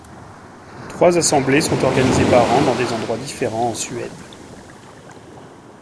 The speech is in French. Trois assemblées sont organisées par an dans des endroits différents en Suède.